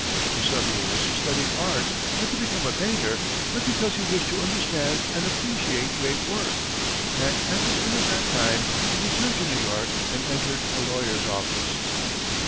For some years he studied art, not to become a painter, but because he wished to understand and appreciate great work, and at the end of that time, he returned to New York and entered a lawyer's office.